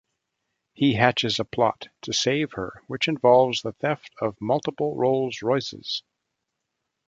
He hatches a plot to save her which involves the theft of multiple Rolls-Royces.